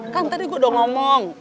kan tadi gue udah ngomong